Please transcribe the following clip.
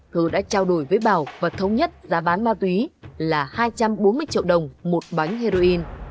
thơ đã trao đổi với bảo và thống nhất giá bán ma túy là hai trăm bốn mươi triệu đồng một bánh heroin